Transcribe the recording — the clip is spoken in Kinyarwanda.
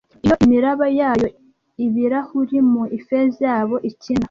Iyo imiraba yayo, ibirahuri mu ifeza yabo ikina,